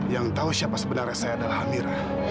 yang tahu siapa sebenarnya saya adalah hamira